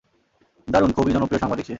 দারুণ, খুবই জনপ্রিয় সাংবাদিক সে!